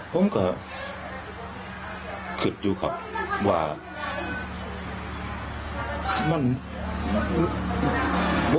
ผมก็เกิดอยู่กับว่ามันมากขึ้น